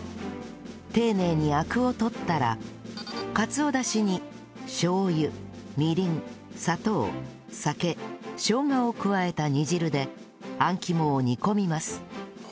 丁寧にアクを取ったらかつおダシにしょう油みりん砂糖酒しょうがを加えた煮汁であん肝を煮込みます